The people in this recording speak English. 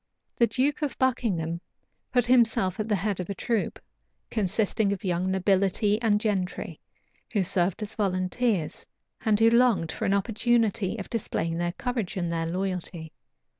The duke of Buckingham put himself at the head of a troop, consisting of young nobility and gentry, who served as volunteers, and who longed for an opportunity of displaying their courage and their loyalty.